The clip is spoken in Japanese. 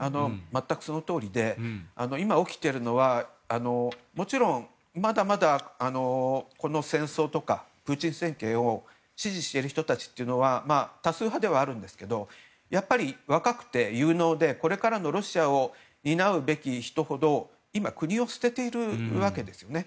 全くそのとおりで今起きてるのはもちろん、まだまだこの戦争とかプーチン政権を支持している人たちというのは多数派ではあるんですがやっぱり若くて有能でこれからのロシアを担うべき人ほど国を捨てているわけですよね。